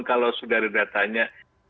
kalau sudah ada datanya